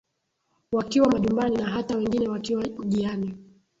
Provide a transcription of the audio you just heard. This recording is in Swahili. wakiwa majumbani na hata wengine wakiwa jiani